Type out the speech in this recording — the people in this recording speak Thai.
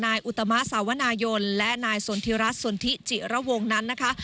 อุตมะสาวนายนและนายสนทิรัฐสนทิจิระวงนั้นนะคะ